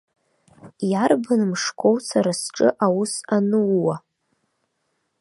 Иарбан мшқәоу сара сҿы аус анууа?